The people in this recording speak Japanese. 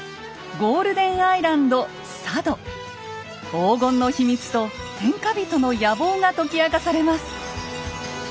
黄金の秘密と天下人の野望が解き明かされます。